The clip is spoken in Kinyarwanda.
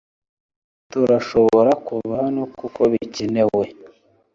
Turashobora kuva hano kuko bikenewe